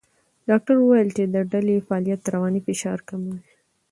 ډاکټره وویل چې د ډلې فعالیت رواني فشار کموي.